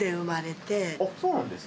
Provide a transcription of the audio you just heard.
そうなんですか？